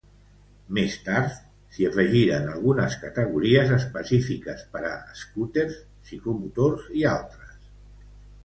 Més tard, s'hi afegiren algunes categories específiques per a escúters, ciclomotors i altres.